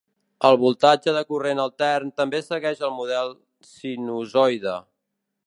El voltatge de corrent altern també segueix el model sinusoide.